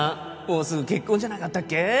もうすぐ結婚じゃなかったっけ？